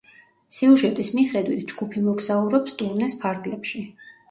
სიუჟეტის მიხედვით, ჯგუფი მოგზაურობს ტურნეს ფარგლებში.